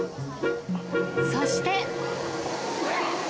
そして。